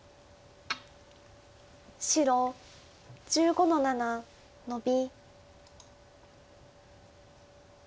白１５の七ノビ。